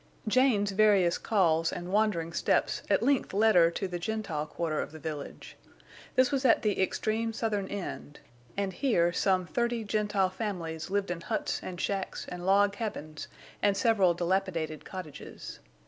Jane's various calls and wandering steps at length led her to the Gentile quarter of the village. This was at the extreme southern end, and here some thirty Gentile families lived in huts and shacks and log cabins and several dilapidated cottages.